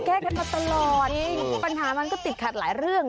แก้กันมาตลอดปัญหามันก็ติดขัดหลายเรื่อง